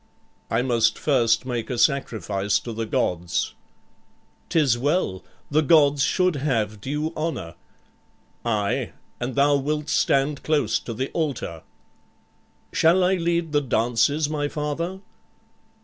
"I must first make a sacrifice to the gods." "'Tis well. The gods should have due honor." "Aye, and thou wilt stand close to the altar." "Shall I lead the dances, my father?"